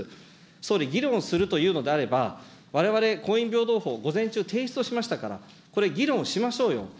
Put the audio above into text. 総理、議論するというのであれば、われわれ、婚姻平等法、午前中、提出をしましたから、これ、議論しましょうよ。